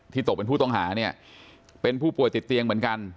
ตกเป็นผู้ต้องหาเนี่ยเป็นผู้ป่วยติดเตียงเหมือนกัน